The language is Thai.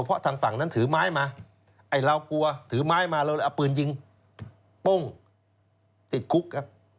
เพราะทางฝั่งนั้นถือไม้มาไอ้เรากลัวถือไม้มาเราเลยเอาปืนยิงโป้งติดคุกครับ